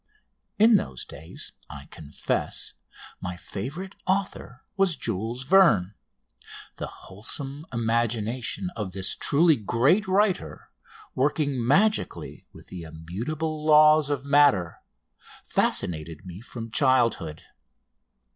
In those days, I confess, my favourite author was Jules Verne. The wholesome imagination of this truly great writer, working magically with the immutable laws of matter, fascinated me from childhood.